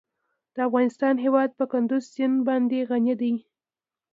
د افغانستان هیواد په کندز سیند باندې غني دی.